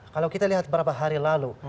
kalau kita lihat beberapa hari lalu